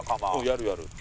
やるやる。